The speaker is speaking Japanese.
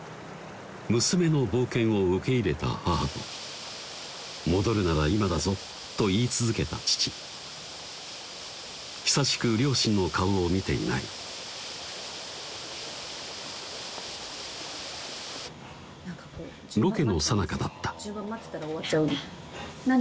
娘の冒険を受け入れた母と戻るなら今だぞと言い続けた父久しく両親の顔を見ていないロケのさなかだった何？